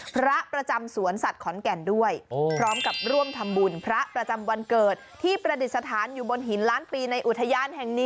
พระประจำสวนสัตว์ขอนแก่นด้วยพร้อมกับร่วมทำบุญพระประจำวันเกิดที่ประดิษฐานอยู่บนหินล้านปีในอุทยานแห่งนี้